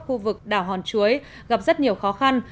khu vực đảo hòn chuối gặp rất nhiều khó khăn